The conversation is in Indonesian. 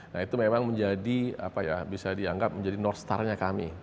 nah itu memang menjadi apa ya bisa dianggap menjadi north star nya kami